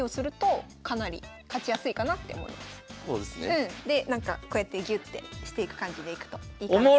うんでなんかこうやってギュッてしていく感じでいくといいかな。